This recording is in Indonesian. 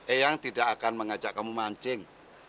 eyang tidak akan mengajak kamu mancing